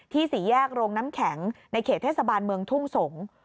สี่แยกโรงน้ำแข็งในเขตเทศบาลเมืองทุ่งสงศ์